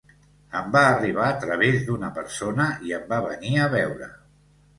Em va arribar a través d’una persona i em va venir a veure.